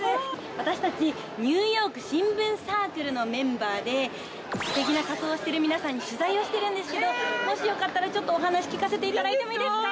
私たちニューヨーク新聞サークルのメンバーで素敵な仮装をしている皆さんに取材をしているんですけどもしよかったらお話聞かせていただいていいですか？